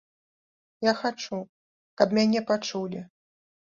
Я хачу, каб мяне пачулі.